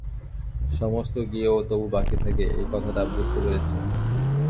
সমস্ত গিয়েও তবু বাকি থাকে এই কথাটা বুঝতে পেরেছি।